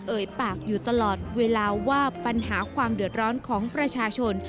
เอ่ยปากอยู่ตลอดเวลาว่าปัญหาความเดือดร้อนของประชาชน